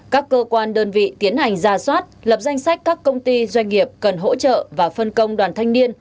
các cơ quan đơn vị tiến hành ra soát lập danh sách các công ty doanh nghiệp cần hỗ trợ và phân công đoàn thanh niên